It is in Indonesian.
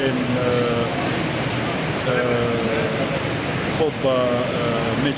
jadi seperti yang anda tahu berdoa disini seperti satu umrah